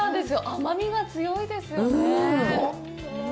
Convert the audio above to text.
甘みが強いですよね。